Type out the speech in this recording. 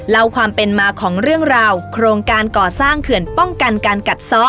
เล่าความเป็นมาของเรื่องราวโครงการก่อสร้างเขื่อนป้องกันการกัดซ้อ